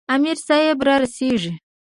امیر صاحب را رسیږي.